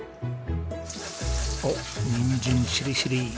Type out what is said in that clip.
おっにんじんしりしりー。